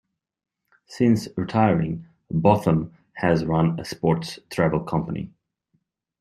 Since retiring, Botham has run a sports travel company.